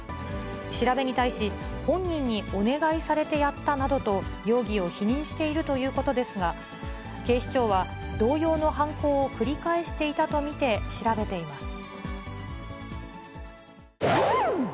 調べに対し、本人にお願いされてやったなどと、容疑を否認しているということですが、警視庁は、同様の犯行を繰り返していたと見て調べています。